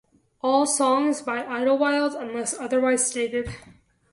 All songs by Idlewild unless otherwise stated.